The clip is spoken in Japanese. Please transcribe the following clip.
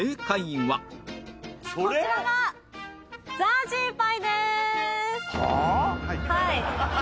はい。